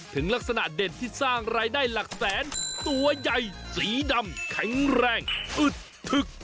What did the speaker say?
ถึงลักษณะเด่นที่สร้างรายได้หลักแสนตัวใหญ่สีดำแข็งแรงอึดผึก